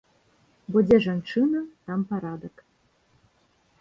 Бо дзе жанчына, там парадак.